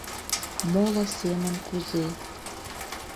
— Моло семын кузе...